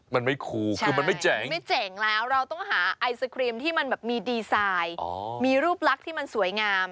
มันไม่คูคือมันไม่เจ๋งไม่เจ๋งแล้วเราต้องหาไอศครีมที่มันแบบมีดีไซน์มีรูปลักษณ์ที่มันสวยงาม